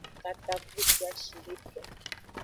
Katakpuciashideke.